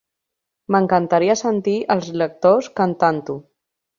M'encantaria sentir els lectors cantant-ho.